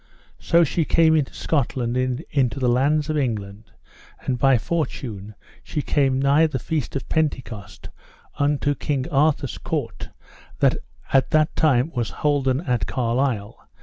So she came into Scotland and into the lands of England, and by fortune she came nigh the feast of Pentecost until King Arthur's court, that at that time was holden at Carlisle.